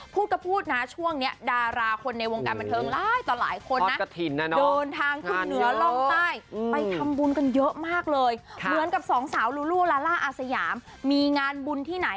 พูดกระพูดนะฮ่าช่วงนี้ดาราคนในวงการแบบเคริ้มลายต่อหลายคนนะ